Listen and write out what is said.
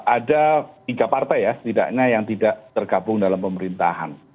ada tiga partai ya setidaknya yang tidak tergabung dalam pemerintahan